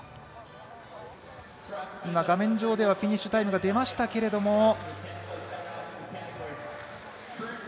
画面上ではフィニッシュタイムが出ましたけれども。